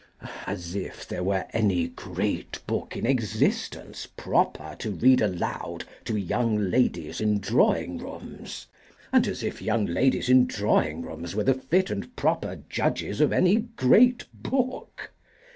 As if there were any great book in existence proper to read aloud to young ladies in drawing rooms! and as if young ladies in drawing rooms were the fit and proper judges of any great book!